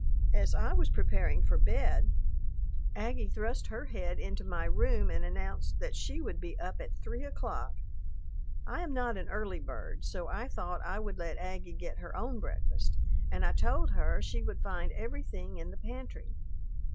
As I was preparing for bed, Aggie thrust her head into my room and announced that she would be up at three o'clock. I am not an early bird, so I thought I would let Aggie get her own breakfast, and I told her she would find everything in the pantry.